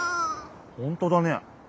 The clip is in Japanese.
ほんとだね。